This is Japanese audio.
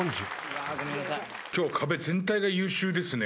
今日壁全体が優秀ですね。